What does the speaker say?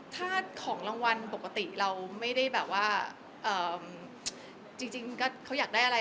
ถ้าของรางวัลปกติเราไม่ได้แบบว่าจริงก็เขาอยากได้อะไร